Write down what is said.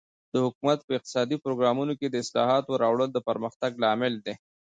د حکومت په اقتصادي پروګرامونو کې د اصلاحاتو راوړل د پرمختګ لامل کیږي.